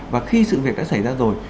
và khi sự việc đã xảy ra rồi